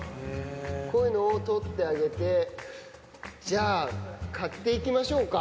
こういうのを取ってあげて、じゃあ、刈っていきましょうか。